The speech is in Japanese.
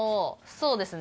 そうなんですね。